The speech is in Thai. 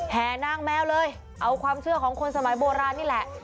แห่นางแมวเลยเอาความเชื่อของคนสมัยโบราณนี่แหละ